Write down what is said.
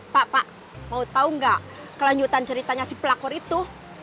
pak pak mau tahu nggak kelanjutan ceritanya si pelakor itu